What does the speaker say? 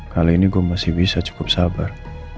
kali ini gue masih bisa cukup sabar